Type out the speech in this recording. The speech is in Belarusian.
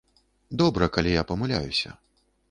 Добра, калі я памыляюся.